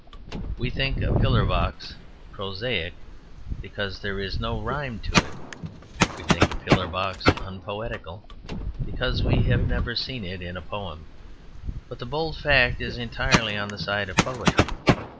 We think a pillar box prosaic, because there is no rhyme to it. We think a pillar box unpoetical, because we have never seen it in a poem. But the bold fact is entirely on the side of poetry.